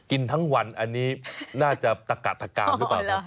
กินทั้งวันอันนี้น่าจะตะกัดตะกามหรือเปล่าครับ